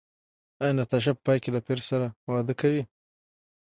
ایا ناتاشا په پای کې له پییر سره واده کوي؟